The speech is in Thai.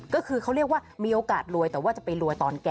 ก็คือเขาเรียกว่ามีโอกาสรวยแต่ว่าจะไปรวยตอนแก่